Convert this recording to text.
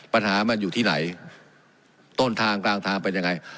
ปัญหามันอยู่ที่ไหนต้นทางกลางทางเป็นยังไง